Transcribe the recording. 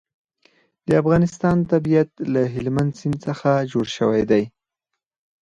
د افغانستان طبیعت له هلمند سیند څخه جوړ شوی دی.